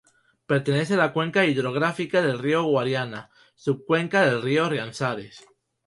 Pertenece a la cuenca hidrográfica del río Guadiana, subcuenca del río Riánsares.